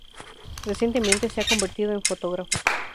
Recientemente se ha convertido en fotógrafo.